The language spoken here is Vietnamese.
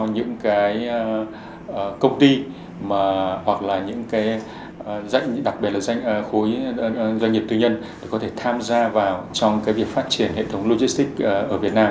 những cái công ty hoặc là những cái đặc biệt là khối doanh nghiệp tư nhân có thể tham gia vào trong cái việc phát triển hệ thống logistic ở việt nam